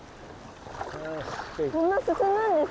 こんなすすむんですね。